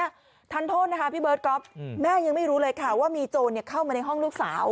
ยังไม่รู้เลยค่ะว่ามีโจรเข้ามาในห้องลูกสาว